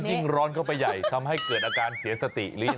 ยิ่งร้อนเข้าไปใหญ่ทำให้เกิดอาการเสียสติหรือ